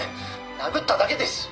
「殴っただけです！」